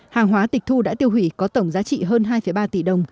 hàng hóa tịch thu đã tiêu hủy có tổng giá trị hơn hai ba tỷ đồng